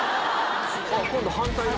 今度反対だ。